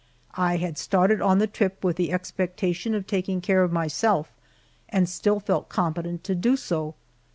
I had started on the trip with the expectation of taking care of myself, and still felt competent to do so.